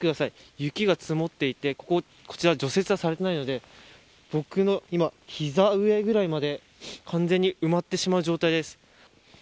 雪が積もっていてこちら、除雪はされていないので僕の膝上ぐらいまで完全に埋まってしまう状態です。